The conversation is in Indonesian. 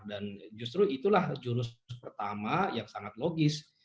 dan justru itulah jurus pertama yang sangat logis